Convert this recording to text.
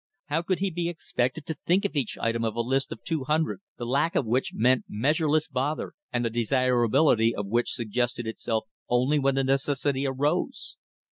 How could he be expected to think of each item of a list of two hundred, the lack of which meant measureless bother, and the desirability of which suggested itself only when the necessity arose?